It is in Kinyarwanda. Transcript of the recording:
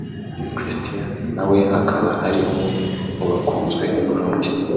Christian na we akaba ari umwe mu bakunzwe i Burundi